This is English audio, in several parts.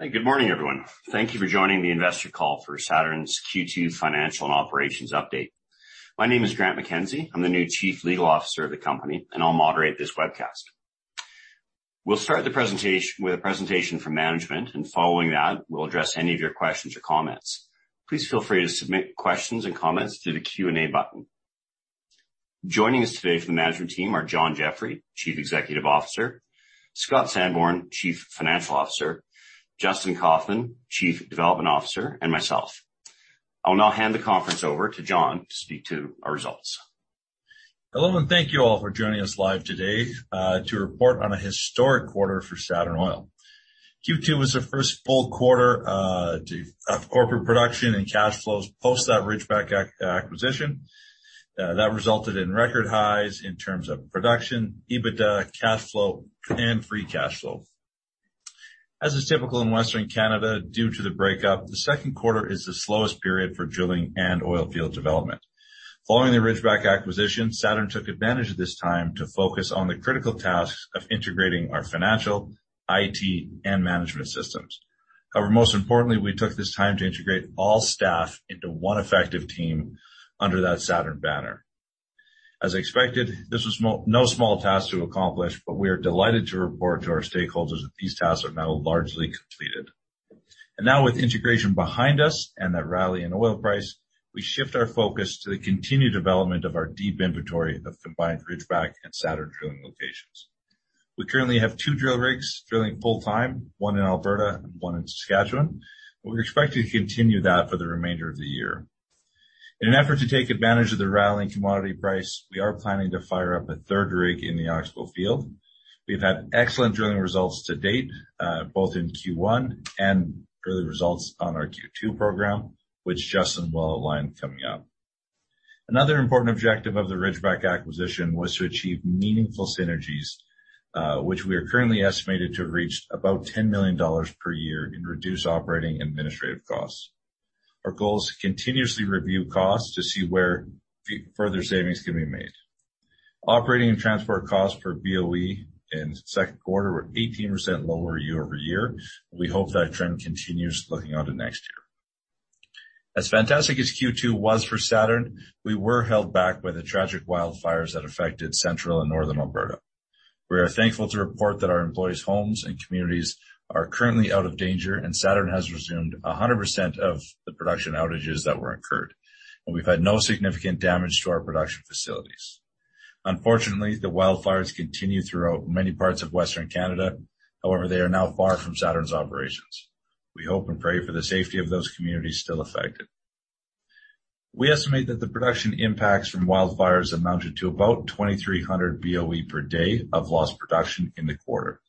Good morning, everyone. Thank you for joining the Investor Call for Saturn's Q2 Financial and Operations update. My name is Grant MacKenzie. I'm the new Chief Legal Officer of the company, and I'll moderate this webcast. We'll start with a presentation from management, and following that, we'll address any of your questions or comments. Please feel free to submit questions and comments through the Q&A button. Joining us today from the management team are John Jeffrey, Chief Executive Officer, Scott Sanborn, Chief Financial Officer, Justin Kaufmann, Chief Development Officer, and myself. I'll now hand the conference over to John to speak to our results. Hello, thank you all for joining us live today, to report on a historic quarter for Saturn Oil. Q2 was the first full quarter of corporate production and cash flows post that Ridgeback acquisition, that resulted in record highs in terms of production, EBITDA, cash flow, and free cash flow. As is typical in Western Canada, due to the breakup, the second quarter is the slowest period for drilling and oil field development. Following the Ridgeback acquisition, Saturn took advantage of this time to focus on the critical tasks of integrating our financial, IT, and management systems. Most importantly, we took this time to integrate all staff into one effective team under that Saturn banner. As expected, this was no, no small task to accomplish, but we are delighted to report to our stakeholders that these tasks are now largely completed. Now, with integration behind us and that rally in oil price, we shift our focus to the continued development of our deep inventory of combined Ridgeback and Saturn drilling locations. We currently have two drill rigs drilling full-time, one in Alberta and one in Saskatchewan, and we expect to continue that for the remainder of the year. In an effort to take advantage of the rally in commodity price, we are planning to fire up a third rig in the Oxbow field. We've had excellent drilling results to date, both in Q1 and early results on our Q2 program, which Justin will outline coming up. Another important objective of the Ridgeback acquisition was to achieve meaningful synergies, which we are currently estimated to have reached about $10 million per year in reduced operating and administrative costs. Our goal is to continuously review costs to see where further savings can be made. Operating and transport costs per BOE in the second quarter were 18% lower year-over-year. We hope that trend continues looking onto next year. As fantastic as Q2 was for Saturn, we were held back by the tragic wildfires that affected Central and Northern Alberta. We are thankful to report that our employees' homes and communities are currently out of danger, and Saturn has resumed 100% of the production outages that were incurred, and we've had no significant damage to our production facilities. Unfortunately, the wildfires continue throughout many parts of Western Canada. However, they are now far from Saturn's operations. We hope and pray for the safety of those communities still affected. We estimate that the production impacts from wildfires amounted to about 2,300 BOE per day of lost production in the quarter.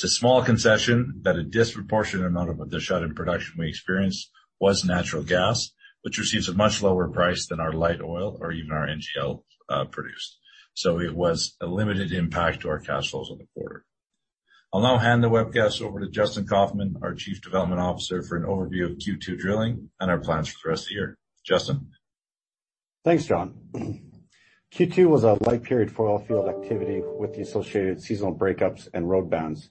It's a small concession that a disproportionate amount of the shut-in production we experienced was natural gas, which receives a much lower price than our light oil or even our NGL produced. It was a limited impact to our cash flows in the quarter. I'll now hand the webcast over to Justin Kaufmann, our Chief Development Officer, for an overview of Q2 drilling and our plans for the rest of the year. Justin? Thanks, John. Q2 was a light period for oil field activity with the associated seasonal breakups and road bans.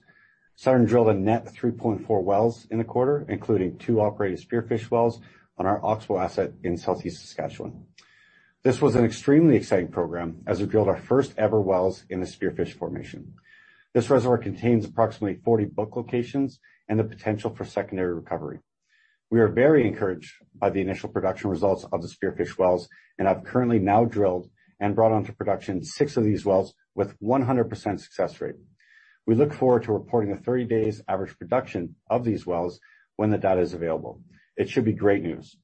Saturn drilled a net three point four wells in the quarter, including two operated Spearfish wells on our Oxbow asset in southeastern Saskatchewan. This was an extremely exciting program as we drilled our first-ever wells in the Spearfish formation. This reservoir contains approximately 40 book locations and the potential for secondary recovery. We are very encouraged by the initial production results of the Spearfish wells, and I've currently now drilled and brought onto production six of these wells with 100% success rate. We look forward to reporting the 30 days average production of these wells when the data is available. It should be great news.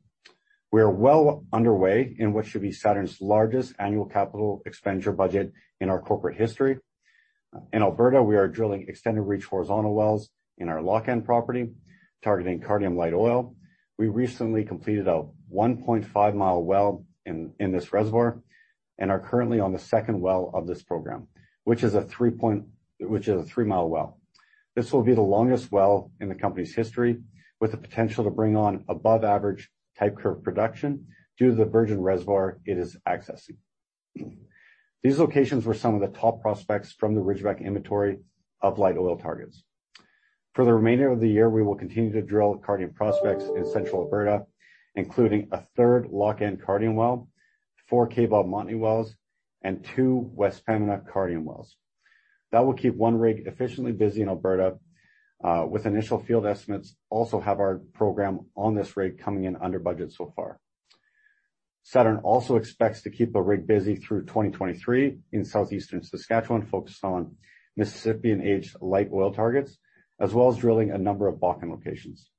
We are well underway in what should be Saturn's largest annual capital expenditure budget in our corporate history. In Alberta, we are drilling extended reach horizontal wells in our Lochend property, targeting Cardium light oil. We recently completed a 1.5 mi well in this reservoir and are currently on the second well of this program, which is a 3 mi well. This will be the longest well in the company's history, with the potential to bring on above-average type curve production due to the virgin reservoir it is accessing. These locations were some of the top prospects from the Ridgeback inventory of light oil targets. For the remainder of the year, we will continue to drill Cardium prospects in central Alberta, including a third Lochend Cardium well, four Kaybob Montney wells, and two West Pembina Cardium wells. That will keep one rig efficiently busy in Alberta, with initial field estimates also have our program on this rig coming in under budget so far. Saturn also expects to keep a rig busy through 2023 in southeastern Saskatchewan, focused on Mississippian Age light oil targets, as well as drilling a number of Bakken locations.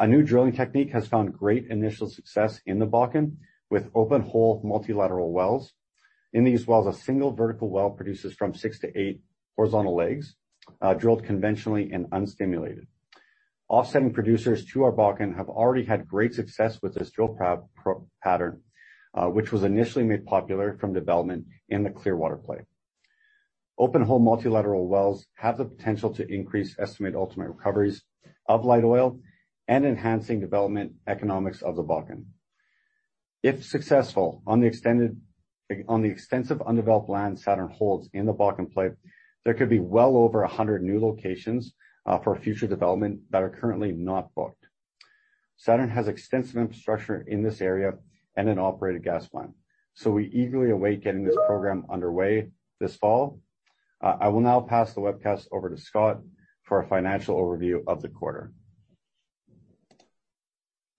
A new drilling technique has found great initial success in the Bakken with open-hole multilateral wells. In these wells, a single vertical well produces from six to eight horizontal legs, drilled conventionally and unstimulated. Offsetting producers to our Bakken have already had great success with this drill pro-pattern, which was initially made popular from development in the Clearwater Play. Open-hole multilateral wells have the potential to increase estimated ultimate recoveries of light oil and enhancing development economics of the Bakken. If successful on the extended, on the extensive undeveloped land Saturn holds in the Bakken play, there could be well over 100 new locations for future development that are currently not booked. Saturn has extensive infrastructure in this area and an operated gas plant, so we eagerly await getting this program underway this fall. I will now pass the webcast over to Scott for a financial overview of the quarter.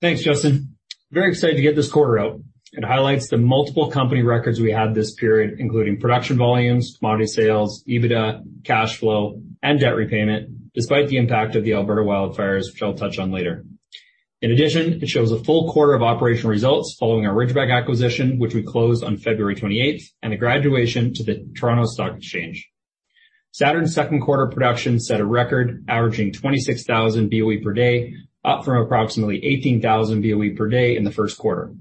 Thanks, Justin. Very excited to get this quarter out. It highlights the multiple company records we had this period, including production volumes, commodity sales, EBITDA, cash flow, and debt repayment, despite the impact of the Alberta wildfires, which I'll touch on later. In addition, it shows a full quarter of operational results following our Ridgeback acquisition, which we closed on February 28th, and a graduation to the Toronto Stock Exchange. Saturn's second quarter production set a record averaging 26,000 BOE per day, up from approximately 18,000 BOE per day in the first quarter.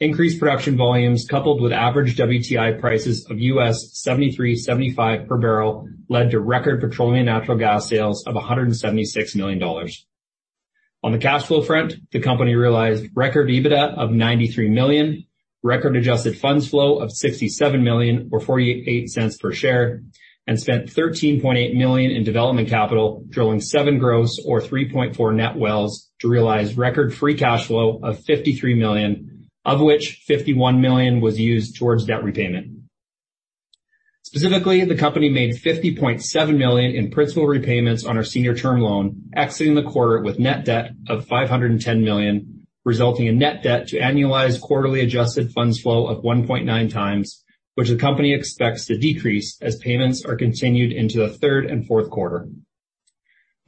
Increased production volumes, coupled with average WTI prices of US $73.75 per barrel, led to record petroleum and natural gas sales of 176 million dollars. On the cash flow front, the company realized record EBITDA of 93 million, record adjusted funds flow of 67 million or 0.48 per share, and spent 13.8 million in development capital, drilling seven gross or 3.4 net wells to realize record free cash flow of 53 million, of which 51 million was used towards debt repayment. Specifically, the company made 50.7 million in principal repayments on our Senior Term Loan, exiting the quarter with net debt of 510 million, resulting in net debt to annualize quarterly adjusted funds flow of 1.9x, which the company expects to decrease as payments are continued into the third and fourth quarter.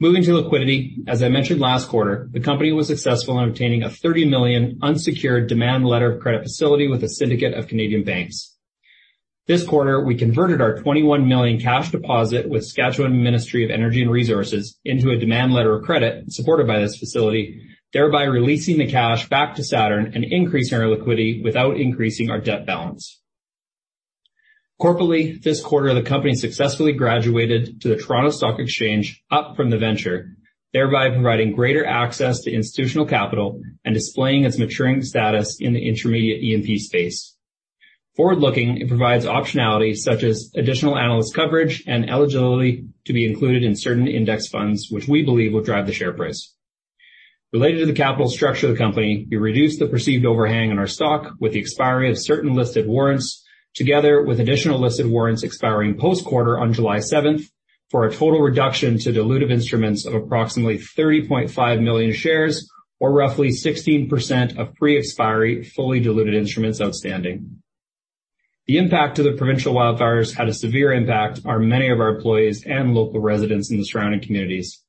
Moving to liquidity, as I mentioned last quarter, the company was successful in obtaining a 30 million unsecured demand letter of credit facility with a syndicate of Canadian banks. This quarter, we converted our 21 million cash deposit with Saskatchewan Ministry of Energy and Resources into a demand letter of credit supported by this facility, thereby releasing the cash back to Saturn and increasing our liquidity without increasing our debt balance. Corporately, this quarter, the company successfully graduated to the Toronto Stock Exchange up from the Venture, thereby providing greater access to institutional capital and displaying its maturing status in the intermediate E&P space. Forward-looking, it provides optionality, such as additional analyst coverage and eligibility to be included in certain index funds, which we believe will drive the share price. Related to the capital structure of the company, we reduced the perceived overhang on our stock with the expiry of certain listed warrants, together with additional listed warrants expiring post-quarter on July 7th, for a total reduction to dilutive instruments of approximately 30.5 million shares, or roughly 16% of pre-expiry, fully diluted instruments outstanding. The impact of the provincial wildfires had a severe impact on many of our employees and local residents in the surrounding communities.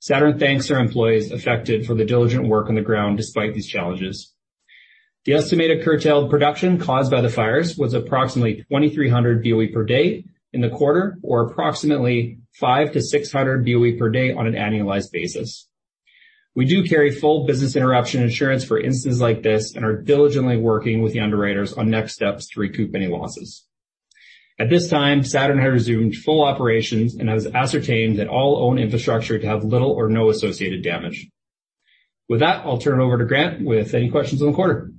Saturn thanks our employees affected for the diligent work on the ground despite these challenges. The estimated curtailed production caused by the fires was approximately 2,300 BOE per day in the quarter, or approximately 500 BOE-600 BOE per day on an annualized basis. We do carry full business interruption insurance for instances like this and are diligently working with the underwriters on next steps to recoup any losses. At this time, Saturn has resumed full operations and has ascertained that all own infrastructure to have little or no associated damage. With that, I'll turn it over to Grant with any questions on the quarter.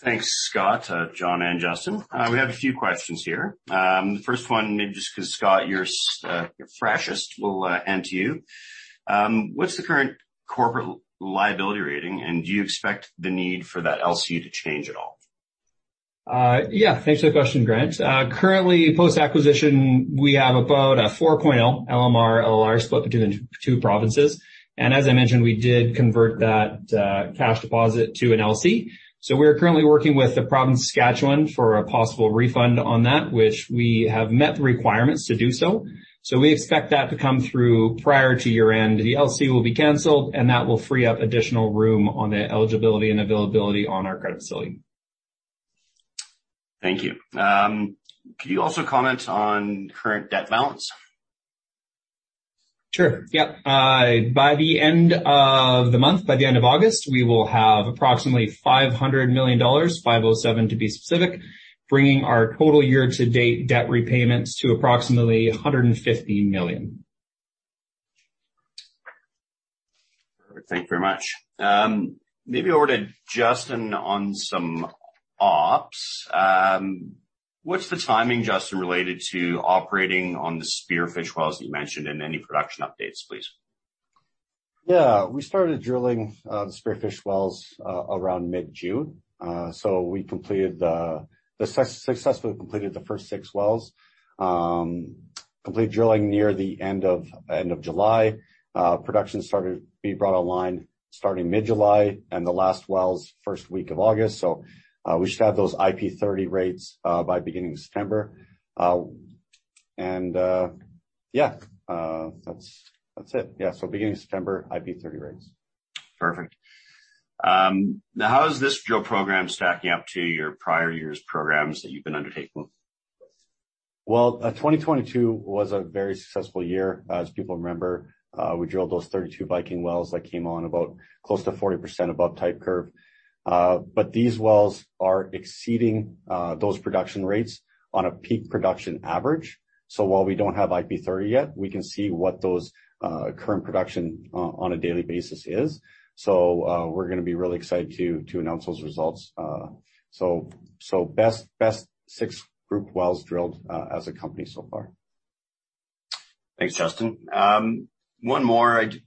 Thanks, Scott, John, and Justin. We have a few questions here. The first one, maybe just because Scott, you're freshest, we'll hand to you. What's the current corporate liability rating, and do you expect the need for that LC to change at all? Yeah, thanks for the question, Grant. Currently, post-acquisition, we have about a four point LMR, LLR split between the two provinces. As I mentioned, we did convert that cash deposit to an LC. We are currently working with the province of Saskatchewan for a possible refund on that, which we have met the requirements to do so. We expect that to come through prior to year-end. The LC will be canceled, and that will free up additional room on the eligibility and availability on our credit facility. Thank you. Could you also comment on current debt balance? Sure, yep. By the end of the month, by the end of August, we will have approximately 500 million dollars, 507 million, to be specific, bringing our total year-to-date debt repayments to approximately 150 million. Perfect. Thank you very much. Maybe over to Justin on some ops. What's the timing, Justin, related to operating on the Spearfish wells that you mentioned, and any production updates, please? Yeah. We started drilling the Spearfish wells around mid-June. We completed the successfully completed the first six wells. Complete drilling near the end of July. Production started to be brought online starting mid-July, and the last wells, first week of August. We should have those IP30 rates by beginning of September. Yeah, that's, that's it. Yeah, beginning of September, IP30 rates. Perfect. Now, how is this drill program stacking up to your prior years' programs that you've been undertaking? Well, 2022 was a very successful year, as people remember. We drilled those 32 Viking wells that came on about close to 40% above type curve. These wells are exceeding those production rates on a peak production average. While we don't have IP30 yet, we can see what those current production on a daily basis is. We're gonna be really excited to announce those results. Best, best six group wells drilled as a company so far. Thanks, Justin. One more question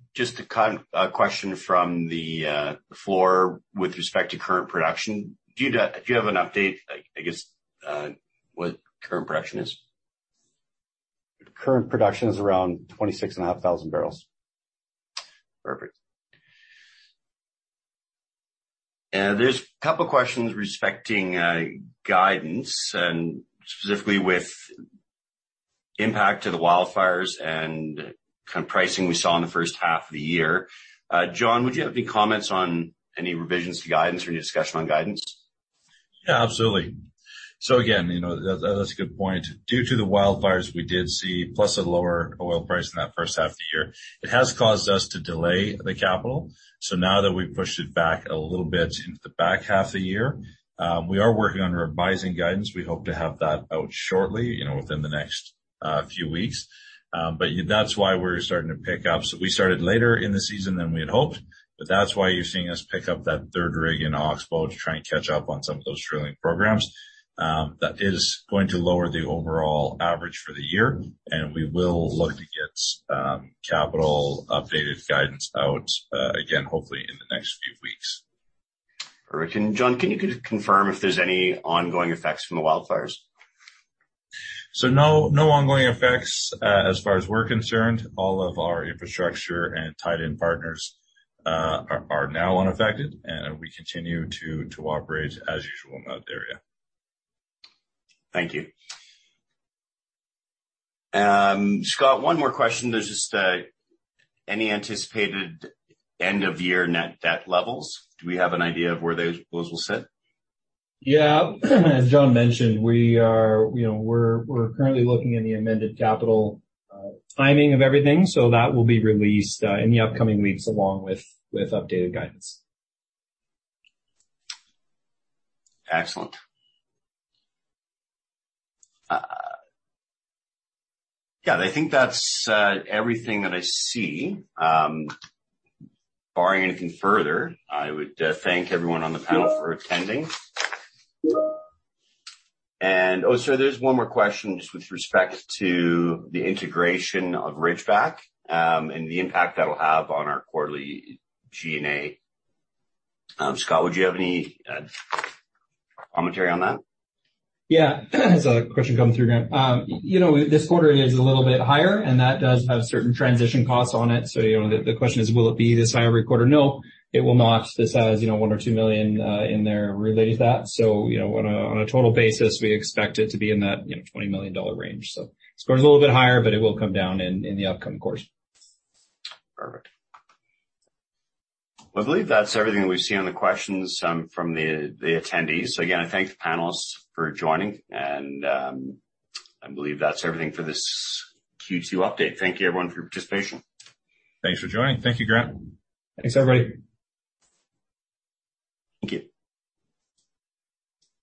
from the floor with respect to current production. Do you, do you have an update, like, I guess, what current production is? Current production is around 26,500 barrels. Perfect. There's a couple questions respecting guidance, and specifically with impact to the wildfires and kind of pricing we saw in the first half of the year. John, would you have any comments on any revisions to guidance or any discussion on guidance? Yeah, absolutely. Again, you know, that, that's a good point. Due to the wildfires, we did see, plus a lower oil price in that first half of the year, it has caused us to delay the capital. Now that we've pushed it back a little bit into the back half of the year, we are working on revising guidance. We hope to have that out shortly, you know, within the next few weeks. That's why we're starting to pick up. We started later in the season than we had hoped, but that's why you're seeing us pick up that third rig in Oxbow to try and catch up on some of those drilling programs. That is going to lower the overall average for the year, and we will look to get capital updated guidance out again, hopefully in the next few weeks. Perfect. John, can you confirm if there's any ongoing effects from the wildfires? No, no ongoing effects, as far as we're concerned. All of our infrastructure and tied-in partners, are, are now unaffected, and we continue to, to operate as usual in that area. Thank you. Scott, one more question. There's just, any anticipated end-of-year net debt levels? Do we have an idea of where those, those will sit? As John mentioned, we are, you know, we're, we're currently looking at the amended capital timing of everything, so that will be released in the upcoming weeks, along with, with updated guidance. Excellent. Yeah, I think that's everything that I see. Barring anything further, I would thank everyone on the panel for attending. Oh, sorry, there's one more question just with respect to the integration of Ridgeback, and the impact that'll have on our quarterly G&A. Scott, would you have any commentary on that? There's a question coming through, Grant. You know, this quarter is a little bit higher, and that does have certain transition costs on it. You know, the question is, will it be this high every quarter? No, it will not. This has, you know, one or two million in there related to that. You know, on a total basis, we expect it to be in that, you know, 20 million dollar range. It goes a little bit higher, but it will come down in the upcoming course. Perfect. I believe that's everything we see on the questions from the attendees. Again, I thank the panelists for joining. I believe that's everything for this Q2 update. Thank you, everyone, for your participation. Thanks for joining. Thank you, Grant. Thanks, everybody. Thank you.